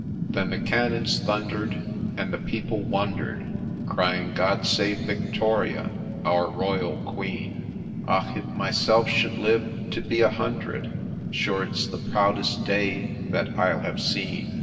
Then the cannons thunder' d, and the people wonder' d, Crying, ' God Save Victoria, our Royal Queen !'—— Och ! if myself should live to be a hundred, Sure it 's the proudest day that I'll hav6 seen